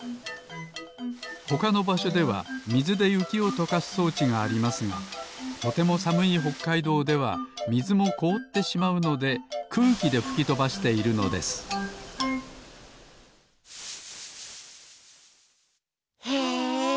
ほかのばしょではみずでゆきをとかすそうちがありますがとてもさむいほっかいどうではみずもこおってしまうのでくうきでふきとばしているのですへえ！